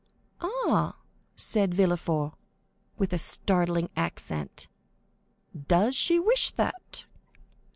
"Ah," said Villefort, with a startling accent; "does she wish that?"